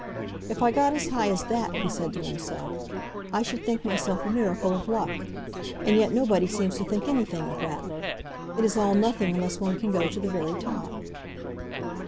"If I got as high as that," he said to himself, "I should think myself a miracle of luck. And yet nobody seems to think anything of Ratler. It is all nothing unless one can go to the very top."